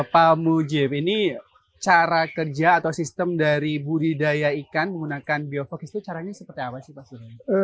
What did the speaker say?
pak mujib ini cara kerja atau sistem dari budidaya ikan menggunakan biofokis itu caranya seperti apa sih pak